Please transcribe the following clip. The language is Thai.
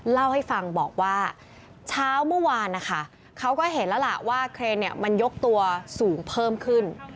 เล่าให้ฟังบอกว่าเช้าเมื่อวานนะคะเขาก็เห็นแล้วล่ะว่าเครนเนี่ยมันยกตัวสูงเพิ่มขึ้น